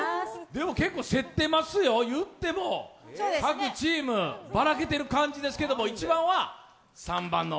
でも結構競ってますよ、言っても各チーム、ばらけてる感じですけれども、１番は３番の。